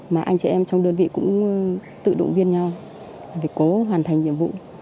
mà anh chị em trong đơn vị cũng tự động viên nhau để cố hoàn thành nhiệm vụ